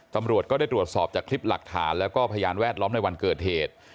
ตำรวจก็ได้ตรวจสอบจากคลิปหลักฐานแล้วก็พยานแวดล้อมในวันเกิดเหตุ